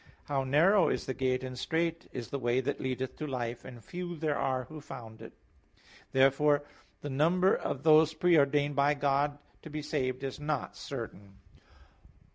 How narrow is the gate, and strait is the way that leadeth to life; and few there are who find it!" Therefore the number of those pre ordained by God to be saved is not certain.